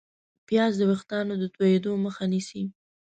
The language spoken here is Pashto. پیاز د ویښتو د تویېدو مخه نیسي